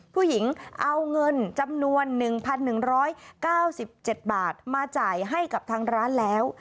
ผู้หญิงเอาเงินจำนวน๑๑๙๗บาทมาจ่ายให้กับทางร้านแล้ว